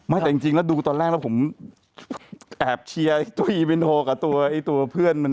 ไม่แต่จริงแล้วดูตอนแรกแล้วผมแอบเชียร์ตัวอีมินโฮกับตัวเพื่อนมัน